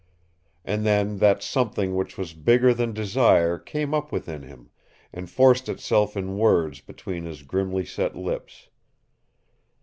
And then that something which was bigger than desire came up within him, and forced itself in words between his grimly set lips.